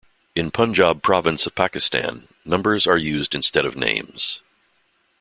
In the Punjab province of Pakistan, numbers are used instead of names.